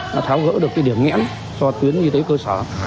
nó tháo gỡ được cái điểm nghẽn cho tuyến y tế cơ sở